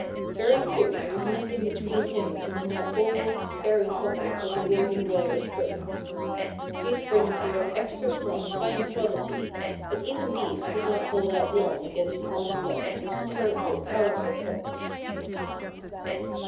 Very soon there was nothing between him and the now almost despairing couple but the woven wire springs. These springs were of extra strong, fine quality, but even these could not hold out long against the onslaught of those terrible, powerful claws.